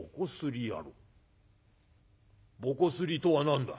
『ぼこすり』とは何だ？」。